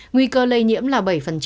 nguy cơ lây nhiễm là bảy